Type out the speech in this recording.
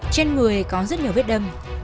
trên người có rất nhiều vết đâm